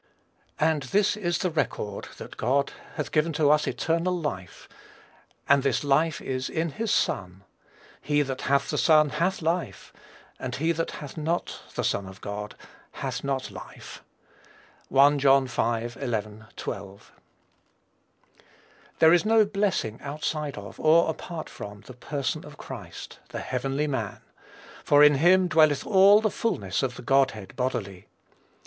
"And this is the record that God hath given to us eternal life, and this life is in his Son: he that hath the Son hath life, and he that hath not the Son of God hath not life." (1 John v. 11, 12.) There is no blessing outside of, or apart from, the PERSON OF CHRIST THE HEAVENLY MAN; "for in him dwelleth all the fulness of the Godhead bodily."